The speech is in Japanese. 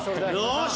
よし！